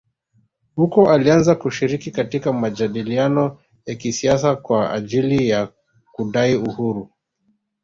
Huko alianza kushiriki katika majadiliano ya kisiasa kwa ajili ya kudai uhuru